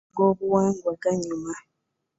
Amazina g'obuwangwa ganyuma.